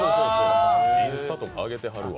インスタとか上げてはるわ。